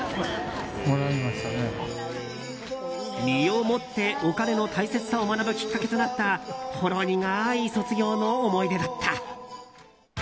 身をもってお金の大切さを学ぶきっかけとなったほろ苦い卒業の思い出だった。